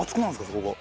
そこが。